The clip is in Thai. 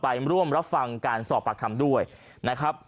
ไปร่วมรับฟังการสอบปากคำด้วยนะครับ